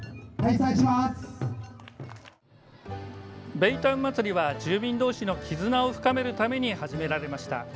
ベイタウンまつりは住民同士の絆を深めるために始められました。